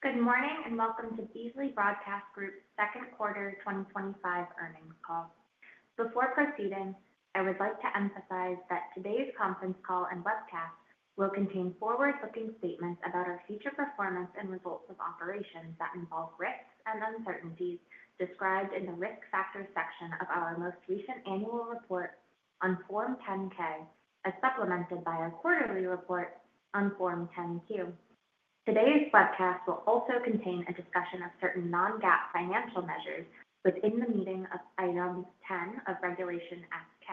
Good morning and welcome to Beasley Broadcast Group's Second Quarter 2025 Earnings Call. Before proceeding, I would like to emphasize that today's conference call and webcast will contain forward-looking statements about our future performance and results of operations that involve risks and uncertainties described in the Risk Factors section of our most recent annual report on Form 10-K, as supplemented by a quarterly report on Form 10-Q. Today's webcast will also contain a discussion of certain non-GAAP financial measures within the meaning of Item 10 of Regulation F-D.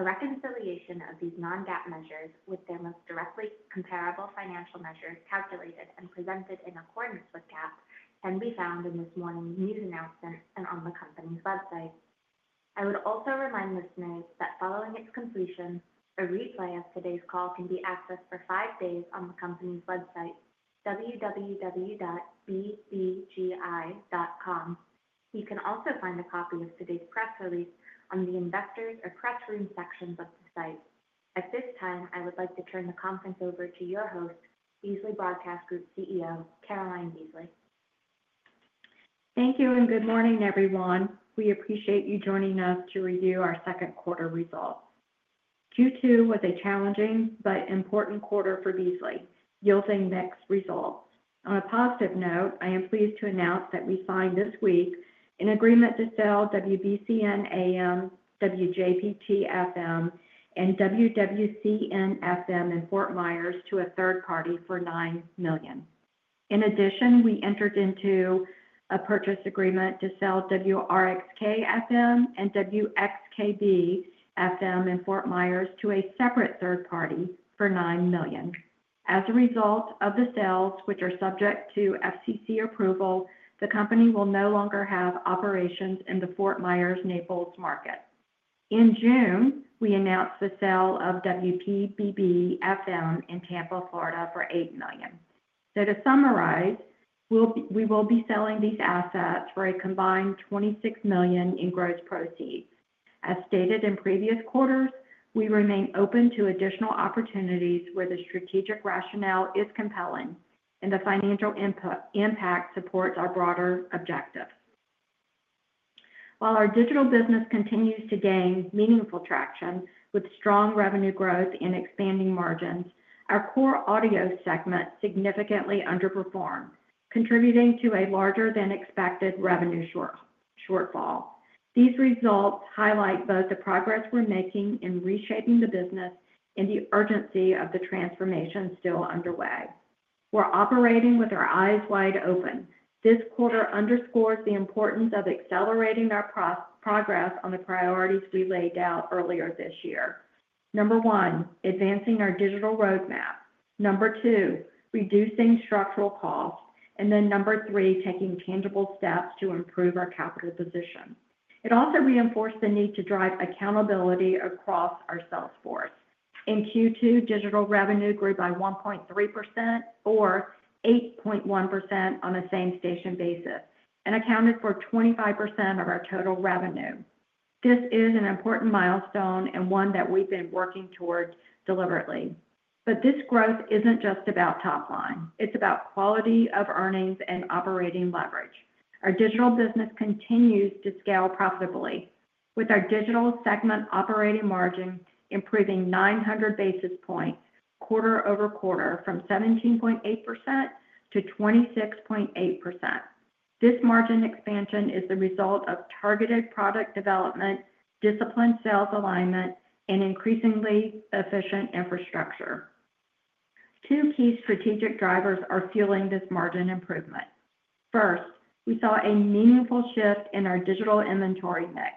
A reconciliation of these non-GAAP measures with their most directly comparable financial measures calculated and presented in accordance with GAAP can be found in this morning's news announcement and on the company's website. I would also remind listeners that following its completion, a replay of today's call can be accessed for five days on the company's website, www.bbgi.com. You can also find a copy of today's press release on the Investors or Press Room sections of the site. At this time, I would like to turn the conference over to your host, Beasley Broadcast Group CEO Caroline Beasley. Thank you and good morning, everyone. We appreciate you joining us to review our second quarter results. Q2 was a challenging but important quarter for Beasley, yielding mixed results. On a positive note, I am pleased to announce that we signed this week an agreement to sell WBCN AM, WJPT FM, and WWCN FM in Fort Myers to a third party for $9 million. In addition, we entered into a purchase agreement to sell WRXK FM and WXKB FM in Fort Myers to a separate third party for $9 million. As a result of the sales, which are subject to FCC approval, the company will no longer have operations in the Fort Myers-Naples market. In June, we announced the sale of WPBB FM in Tampa, Florida, for $8 million. To summarize, we will be selling these assets for a combined $26 million in gross proceeds. As stated in previous quarters, we remain open to additional opportunities where the strategic rationale is compelling and the financial impact supports our broader objective. While our digital business continues to gain meaningful traction with strong revenue growth and expanding margins, our core audio segment significantly underperformed, contributing to a larger than expected revenue shortfall. These results highlight both the progress we're making in reshaping the business and the urgency of the transformation still underway. We're operating with our eyes wide open. This quarter underscores the importance of accelerating our progress on the priorities we laid out earlier this year. Number one, advancing our digital roadmap. Number two, reducing structural costs. Number three, taking tangible steps to improve our capital position. It also reinforced the need to drive accountability across our sales force. In Q2, digital revenue grew by 1.3% or 8.1% on a same station basis and accounted for 25% of our total revenue. This is an important milestone and one that we've been working towards deliberately. This growth isn't just about top line. It's about quality of earnings and operating leverage. Our digital business continues to scale profitably with our digital segment operating margin improving 900 basis points quarter-over-quarter from 17.8%-26.8%. This margin expansion is the result of targeted product development, disciplined sales alignment, and increasingly efficient infrastructure. Two key strategic drivers are fueling this margin improvement. First, we saw a meaningful shift in our digital inventory mix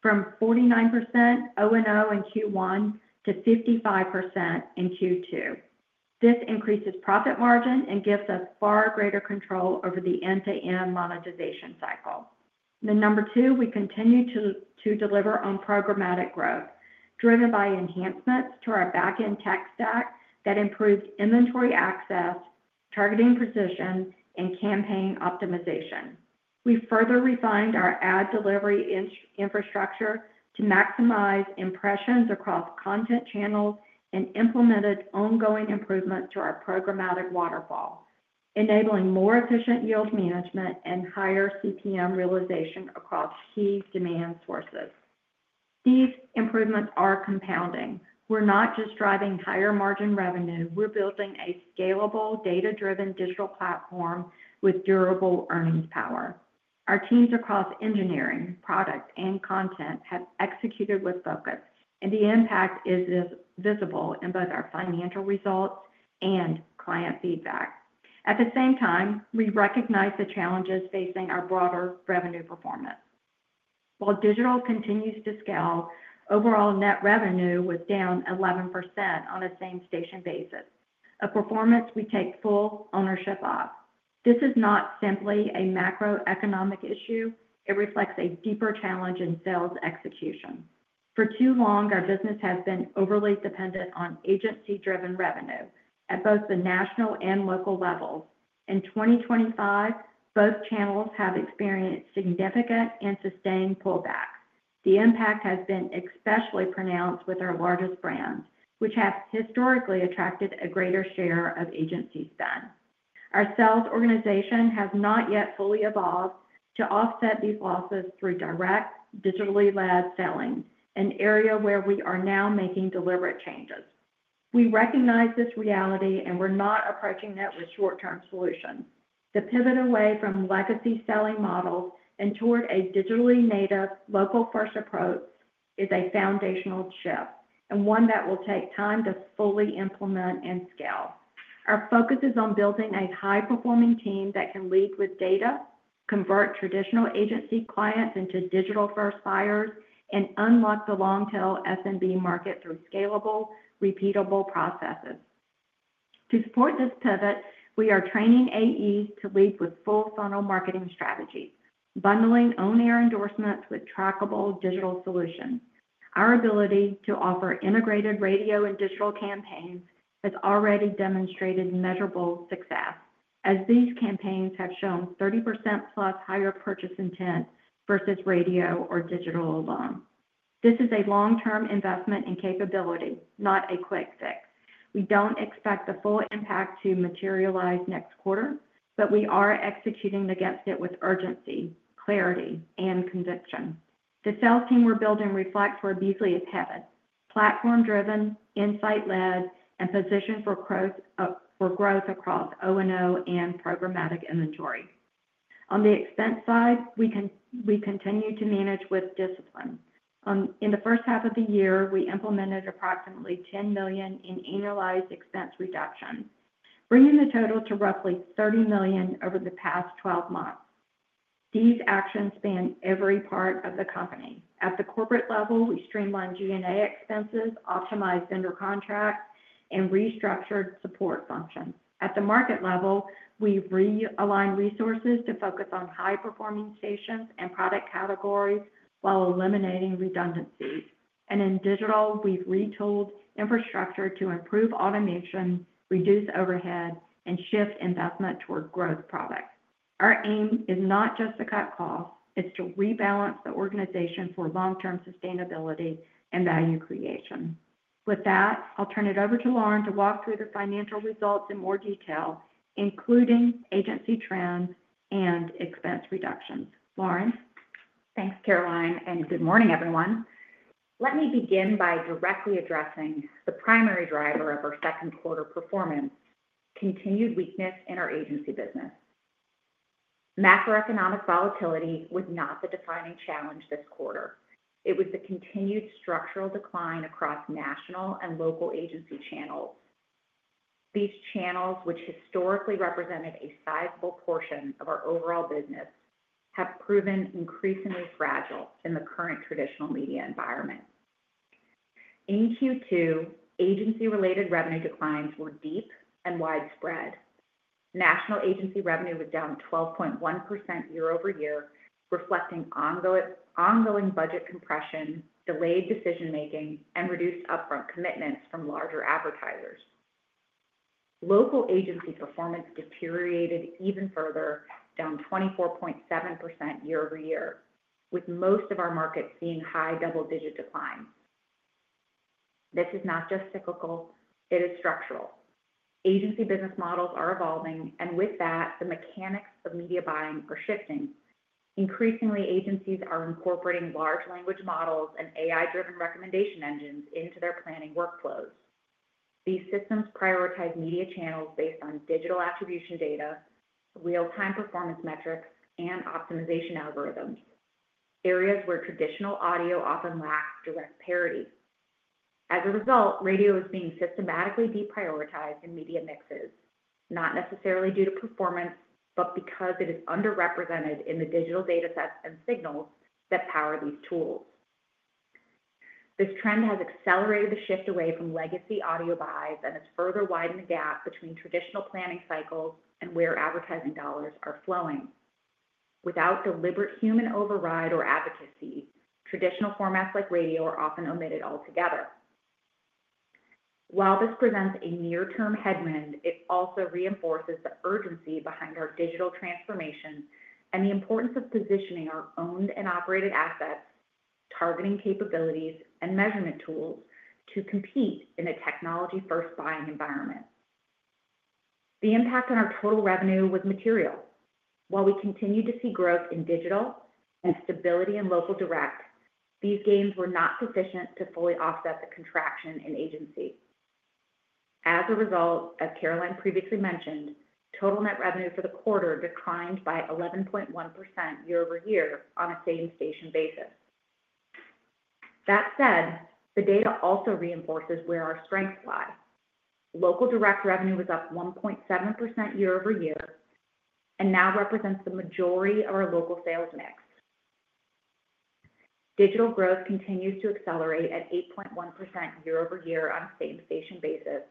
from 49% O&O in Q1 to 55% in Q2. This increases profit margin and gives us far greater control over the end-to-end monetization cycle. Number two, we continue to deliver on programmatic growth driven by enhancements to our backend tech stack that improved inventory access, targeting position, and campaign optimization. We further refined our ad delivery infrastructure to maximize impressions across content channels and implemented ongoing improvements to our programmatic waterfall, enabling more efficient yield management and higher CPM realization across key demand sources. These improvements are compounding. We're not just driving higher margin revenue. We're building a scalable, data-driven digital platform with durable earnings power. Our teams across Engineering, Product, and Content have executed with focus, and the impact is visible in both our financial results and client feedback. At the same time, we recognize the challenges facing our broader revenue performance. While digital continues to scale, overall net revenue was down 11% on a same station basis, a performance we take full ownership of. This is not simply a macroeconomic issue. It reflects a deeper challenge in sales execution. For too long, our business has been overly dependent on agency-driven revenue at both the national and local level. In 2025, both channels have experienced significant and sustained pullback. The impact has been especially pronounced with our largest brands, which have historically attracted a greater share of agency spend. Our sales organization has not yet fully evolved to offset these losses through direct, digitally led selling, an area where we are now making deliberate changes. We recognize this reality, and we're not approaching it with short-term solutions. The pivot away from legacy selling models and toward a digitally native, local-first approach is a foundational shift and one that will take time to fully implement and scale. Our focus is on building a high-performing team that can lead with data, convert traditional agency clients into digital-first buyers, and unlock the long-tail S&B market through scalable, repeatable processes. To support this pivot, we are training AEs to lead with full-funnel marketing strategies, bundling on-air endorsements with trackable digital solutions. Our ability to offer integrated radio and digital campaigns has already demonstrated measurable success, as these campaigns have shown 30%+ higher purchase intent versus radio or digital alone. This is a long-term investment in capability, not a quick fix. We don't expect the full impact to materialize next quarter, but we are executing against it with urgency, clarity, and conviction. The sales team we're building reflects where Beasley is headed: platform-driven, insight-led, and positioned for growth across O&O and programmatic inventory. On the expense side, we continue to manage with discipline. In the first half of the year, we implemented approximately $10 million in annualized expense reduction, bringing the total to roughly $30 million over the past 12 months. These actions span every part of the company. At the corporate level, we streamlined G&A expenses, optimized vendor contracts, and restructured support functions. At the market level, we've realigned resources to focus on high-performing stations and product categories while eliminating redundancies. In digital, we've retooled infrastructure to improve automation, reduce overhead, and shift investment toward growth products. Our aim is not just to cut costs. It's to rebalance the organization for long-term sustainability and value creation. With that, I'll turn it over to Lauren to walk through the financial results in more detail, including agency trends and expense reductions. Lauren. Thanks, Caroline, and good morning, everyone. Let me begin by directly addressing the primary driver of our second quarter performance: continued weakness in our agency business. Macroeconomic volatility was not the defining challenge this quarter. It was the continued structural decline across national and local agency channels. These channels, which historically represented a sizable portion of our overall business, have proven increasingly fragile in the current traditional media environment. In Q2, agency-related revenue declines were deep and widespread. National agency revenue was down 12.1% year-over-year, reflecting ongoing budget compression, delayed decision-making, and reduced upfront commitments from larger advertisers. Local agency performance deteriorated even further, down 24.7% year-over-year, with most of our markets seeing high double-digit declines. This is not just cyclical. It is structural. Agency business models are evolving, and with that, the mechanics of media buying are shifting. Increasingly, agencies are incorporating large language models and AI-driven recommendation engines into their planning workflows. These systems prioritize media channels based on digital attribution data, real-time performance metrics, and optimization algorithms, areas where traditional audio often lacks direct parity. As a result, radio is being systematically deprioritized in media mixes, not necessarily due to performance, but because it is underrepresented in the digital datasets and signals that power these tools. This trend has accelerated the shift away from legacy audio buys, and it has further widened the gap between traditional planning cycles and where advertising dollars are flowing. Without deliberate human override or advocacy, traditional formats like radio are often omitted altogether. While this presents a near-term headwind, it also reinforces the urgency behind our digital transformation and the importance of positioning our owned and operated assets, targeting capabilities, and measurement tools to compete in a technology-first buying environment. The impact on our total revenue was material. While we continued to see growth in digital and stability in local direct, these gains were not sufficient to fully offset the contraction in agency. As a result, as Caroline previously mentioned, total net revenue for the quarter declined by 11.1% year-over-year on a same station basis. That said, the data also reinforces where our strengths lie. Local direct revenue was up 1.7% year-over-year and now represents the majority of our local sales mix. Digital growth continues to accelerate at 8.1% year-over-year on a same station basis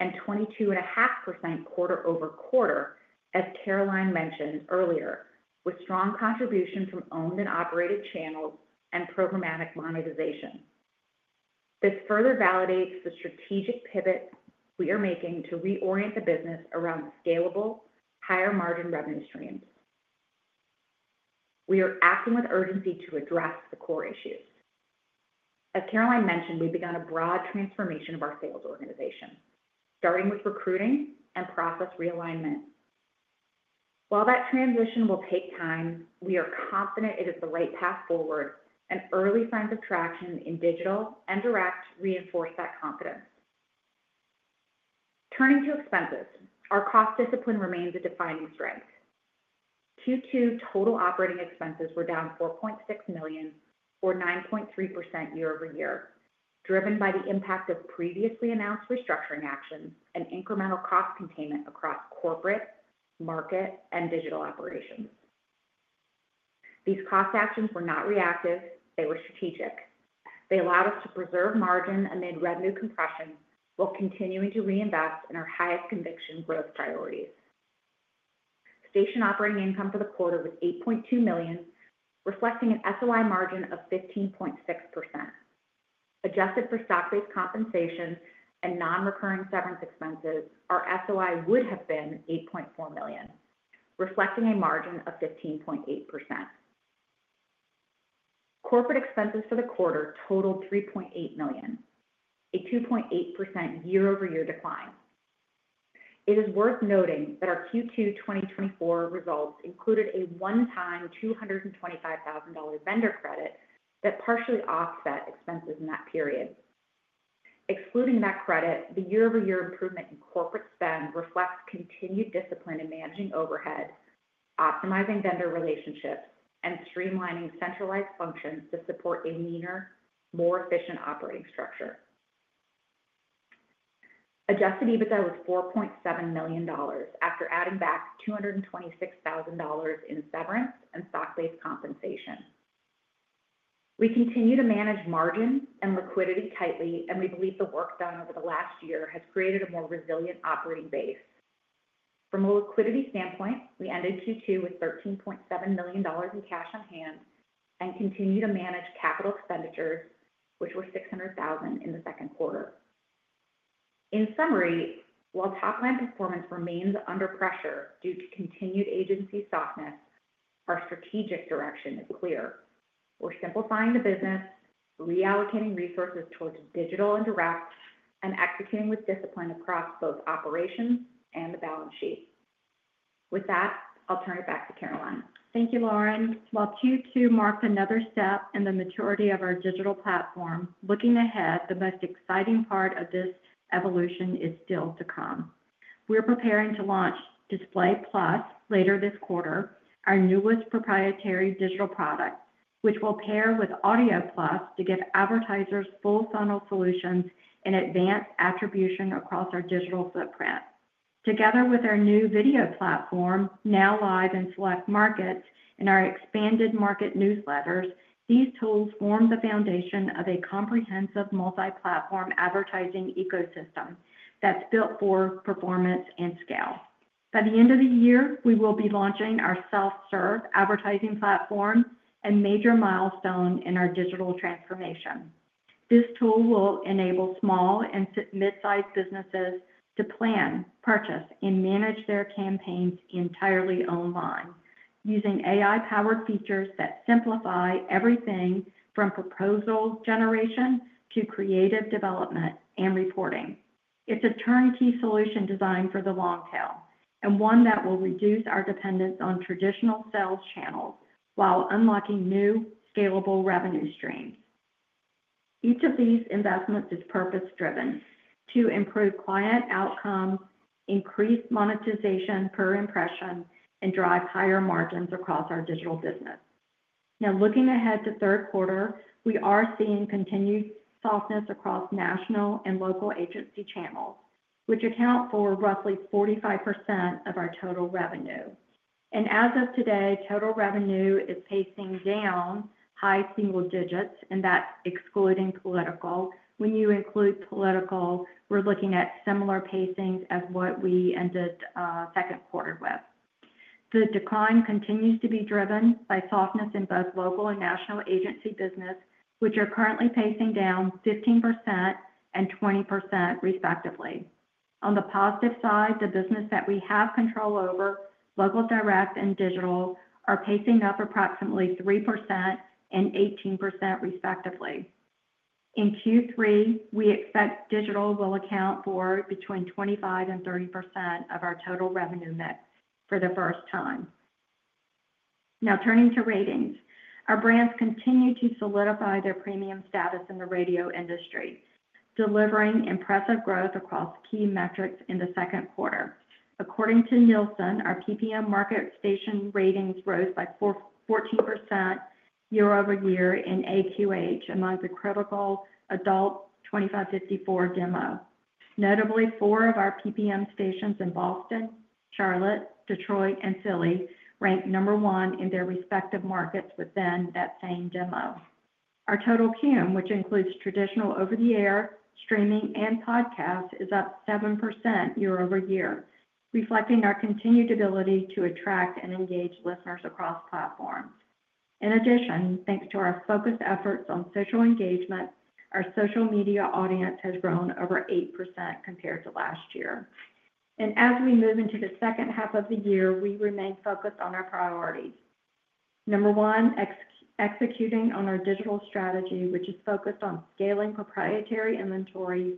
and 22.5% quarter-over-quarter, as Caroline mentioned earlier, with strong contribution from owned and operated channels and programmatic monetization. This further validates the strategic pivot we are making to reorient the business around scalable, higher margin revenue streams. We are acting with urgency to address the core issues. As Caroline mentioned, we began a broad transformation of our sales organization, starting with recruiting and process realignment. While that transition will take time, we are confident it is the right path forward, and early signs of traction in digital and direct reinforce that confidence. Turning to expenses, our cost discipline remains a defining strength. Q2 total operating expenses were down $4.6 million, or 9.3% year-over-year, driven by the impact of previously announced restructuring actions and incremental cost containment across corporate, market, and digital operations. These cost actions were not reactive. They were strategic. They allowed us to preserve margin amid revenue compression while continuing to reinvest in our highest conviction growth priorities. Station operating income for the quarter was $8.2 million, reflecting an SOI margin of 15.6%. Adjusted for stock-based compensation and non-recurring severance expenses, our SOI would have been $8.4 million, reflecting a margin of 15.8%. Corporate expenses for the quarter totaled $3.8 million, a 2.8% year-over-year decline. It is worth noting that our Q2 2024 results included a one-time $225,000 vendor credit that partially offset expenses in that period. Excluding that credit, the year-over-year improvement in corporate spend reflects continued discipline in managing overhead, optimizing vendor relationships, and streamlining centralized functions to support a leaner, more efficient operating structure. Adjusted EBITDA was $4.7 million after adding back $226,000 in severance and stock-based compensation. We continue to manage margin and liquidity tightly, and we believe the work done over the last year has created a more resilient operating base. From a liquidity standpoint, we ended Q2 with $13.7 million in cash on hand and continue to manage capital expenditures, which were $600,000 in the second quarter. In summary, while top-line performance remains under pressure due to continued agency softness, our strategic direction is clear. We're simplifying the business, reallocating resources towards digital and direct, and executing with discipline across both operations and the balance sheet. With that, I'll turn it back to Caroline. Thank you, Lauren. While Q2 marks another step in the maturity of our digital platform, looking ahead, the most exciting part of this evolution is still to come. We're preparing to launch Display Plus later this quarter, our newest proprietary digital product, which will pair with Audio Plus to give advertisers full-funnel solutions and advanced attribution across our digital footprint. Together with our new video platform, now live in select markets, and our expanded market newsletters, these tools form the foundation of a comprehensive multi-platform advertising ecosystem that's built for performance and scale. By the end of the year, we will be launching our self-serve advertising platform, a major milestone in our digital transformation. This tool will enable small and mid-sized businesses to plan, purchase, and manage their campaigns entirely online using AI-powered features that simplify everything from proposal generation to creative development and reporting. It's a turnkey solution designed for the long tail and one that will reduce our dependence on traditional sales channels while unlocking new, scalable revenue streams. Each of these investments is purpose-driven to improve client outcomes, increase monetization per impression, and drive higher margins across our digital business. Now, looking ahead to third quarter, we are seeing continued softness across national and local agency channels, which account for roughly 45% of our total revenue. As of today, total revenue is pacing down high single digits, and that's excluding political. When you include political, we're looking at similar pacings as what we ended second quarter with. The decline continues to be driven by softness in both local and national agency business, which are currently pacing down 15% and 20% respectively. On the positive side, the business that we have control over, local direct and digital, are pacing up approximately 3% and 18% respectively. In Q3, we expect digital will account for between 25% and 30% of our total revenue mix for the first time. Now, turning to ratings, our brands continue to solidify their premium status in the radio industry, delivering impressive growth across key metrics in the second quarter. According to Nielsen, our PPM market station ratings rose by 14% year-over-year in AQH, along with a critical adult 25-54 demo. Notably, four of our PPM stations in Boston, Charlotte, Detroit, and Philly ranked number one in their respective markets within that same demo. Our total QM, which includes traditional over-the-air streaming and podcasts, is up 7% year-over-year, reflecting our continued ability to attract and engage listeners across platforms. In addition, thanks to our focused efforts on social engagement, our social media audience has grown over 8% compared to last year. As we move into the second half of the year, we remain focused on our priorities. Number one, executing on our digital strategy, which is focused on scaling proprietary inventories,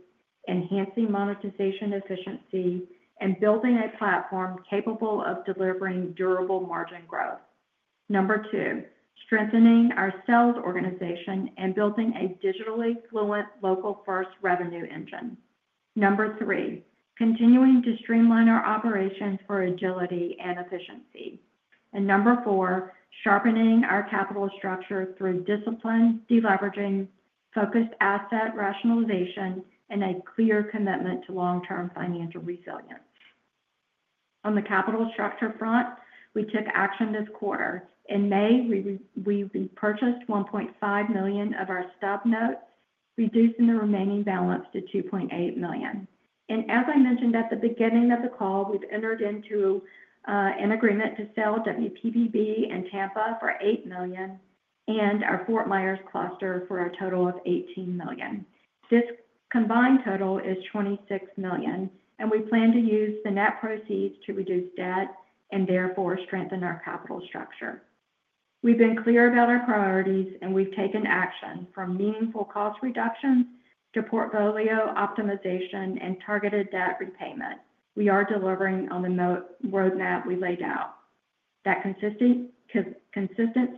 enhancing monetization efficiency, and building a platform capable of delivering durable margin growth. Number two, strengthening our sales organization and building a digitally fluent local-first revenue engine. Number three, continuing to streamline our operations for agility and efficiency. Number four, sharpening our capital structure through discipline, deleveraging, focused asset rationalization, and a clear commitment to long-term financial resilience. On the capital structure front, we took action this quarter. In May, we repurchased $1.5 million of our stub note, reducing the remaining balance to $2.8 million. As I mentioned at the beginning of the call, we've entered into an agreement to sell WPBB in Tampa for $8 million and our Fort Myers cluster for a total of $18 million. This combined total is $26 million, and we plan to use the net proceeds to reduce debt and therefore strengthen our capital structure. We've been clear about our priorities, and we've taken action from meaningful cost reductions to portfolio optimization and targeted debt repayment. We are delivering on the roadmap we laid out. That consistency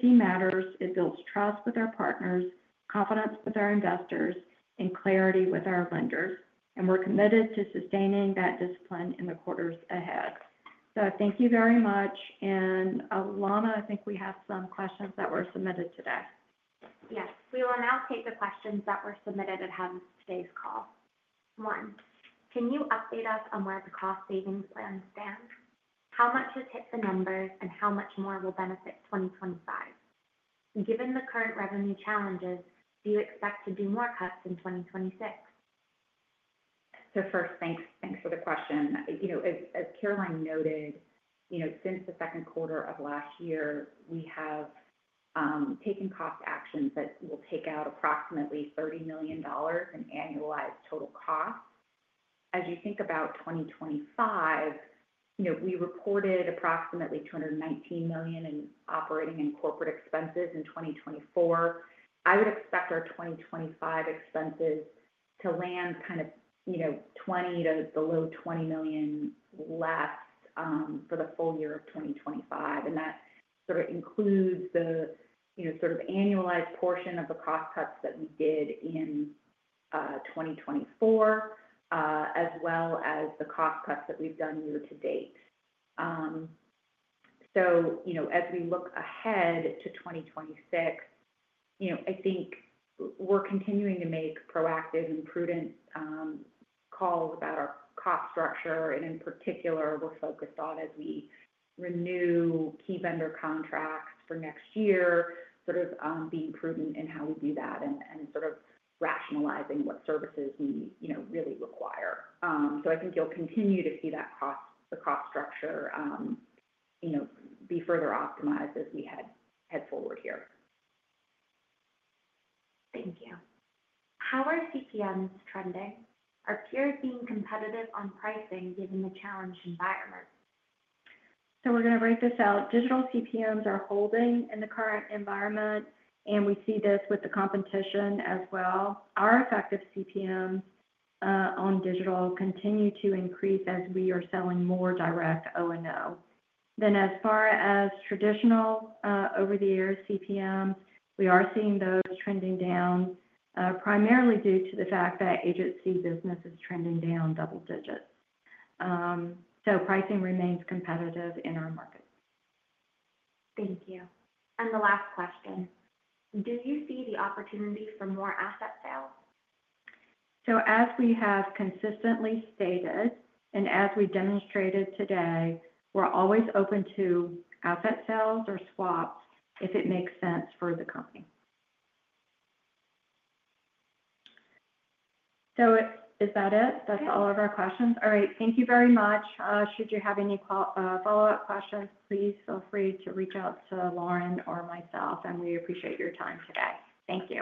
matters. It builds trust with our partners, confidence with our investors, and clarity with our lenders. We're committed to sustaining that discipline in the quarters ahead. Thank you very much. Alana, I think we have some questions that were submitted today. Yes, we will now take the questions that were submitted at the head of today's call. One, can you update us on where the cost savings plans stand? How much are tipped the numbers and how much more will benefit 2025? Given the current revenue challenges, do you expect to do more cuts in 2026? Thank you for the question. As Caroline noted, since the second quarter of last year, we have taken cost actions that will take out approximately $30 million in annualized total costs. As you think about 2025, we reported approximately $219 million in operating and corporate expenses in 2024. I would expect our 2025 expenses to land kind of, you know, $20 million to below $20 million left for the full year of 2025. That includes the annualized portion of the cost cuts that we did in 2024, as well as the cost cuts that we've done year to date. As we look ahead to 2026, I think we're continuing to make proactive and prudent calls about our cost structure. In particular, we're focused on, as we renew key vendor contracts for next year, being prudent in how we do that and rationalizing what services we really require. I think you'll continue to see that cost structure be further optimized as we head forward here. Thank you. How are CPMs trending? Are peers being competitive on pricing given the challenged environment? We are going to break this out. Digital CPMs are holding in the current environment, and we see this with the competition as well. Our effective CPMs on digital continue to increase as we are selling more direct O&O. As far as traditional over-the-air CPMs, we are seeing those trending down, primarily due to the fact that agency business is trending down double digits. Pricing remains competitive in our market. Thank you. The last question, do you see the opportunity for more asset sales? As we have consistently stated and as we demonstrated today, we're always open to asset sales or swaps if it makes sense for the company. Is that it? Yes. That's all of our questions. All right. Thank you very much. Should you have any follow-up questions, please feel free to reach out to Lauren or myself, and we appreciate your time today. Thank you.